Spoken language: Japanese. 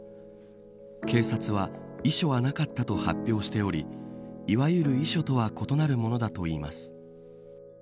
警察は遺書はなかったと発表しておりいわゆる遺書とは異なるものだといいます。